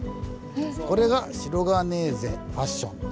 「これが“シロガネーゼ”ファッション」。